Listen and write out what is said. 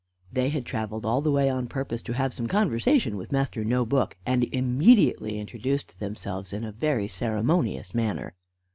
They had traveled all the way on purpose to have some conversation with Master No book, and immediately introduced themselves in a very ceremonious manner.